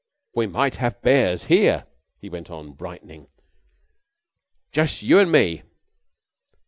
We might have Bears here," he went on brightening. "Jus' you an' me.